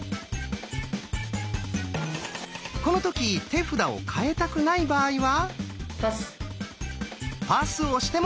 この時手札を換えたくない場合は。